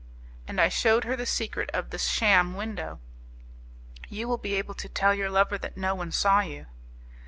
And I shewed her the secret of the sham window. "You will be able to tell your lover that no one saw you."